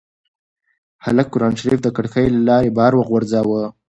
هلک قرانشریف د کړکۍ له لارې بهر وغورځاوه.